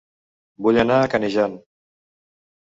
Vull anar a Canejan